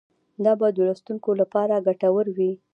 دا به د لوستونکو لپاره ګټور وي.